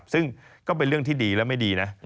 ซึ่งก็เป็นเรื่องที่ดีและไม่ดีนะ